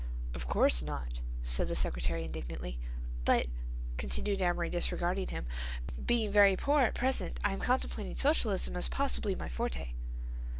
"Of course not," said the secretary indignantly. "But," continued Amory disregarding him, "being very poor at present I am contemplating socialism as possibly my forte."